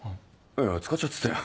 いや使っちゃってたよ。